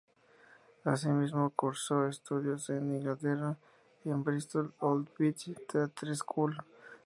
Así mismo, cursó estudios en Inglaterra en el Bristol Old Vic Theatre School.